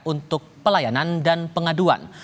untuk pelayanan dan pengaduan